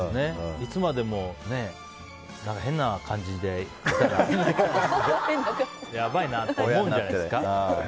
いつまでも変な感じでいたらやばいなと思うんじゃないですか。